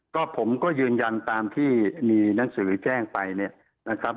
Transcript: ก็ผมก็ยืนยันตามที่มีหนังสือแจ้งไปเนี่ยนะครับ